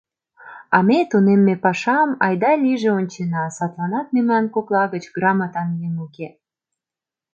А ме тунемме пашам айда-лийже ончена, садланак мемнан кокла гыч грамотан еҥ уке.